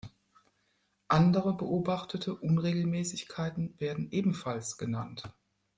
Andere beobachtete Unregelmäßigkeiten werden ebenfalls genannt.